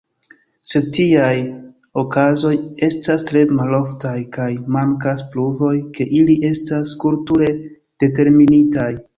Sed tiaj okazoj estas tre maloftaj, kaj mankas pruvoj, ke ili estas kulture determinitaj.